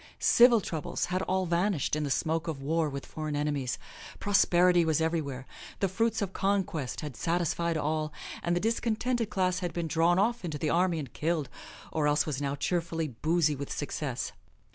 Civil troubles had all vanished in the smoke of war with foreign enemies. Prosperity was everywhere, the fruits of conquest had satisfied all, and the discontented class had been drawn off into the army and killed or else was now cheerfully boozy with success.